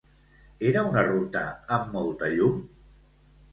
Era una ruta amb molta llum?